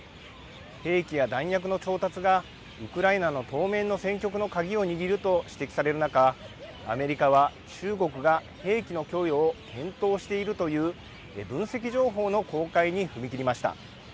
兵器や弾薬の調達がウクライナの当面の戦局の鍵を握ると指摘される中アメリカは中国が兵器の供与を検討しているという分析情報の公開に踏み切りました。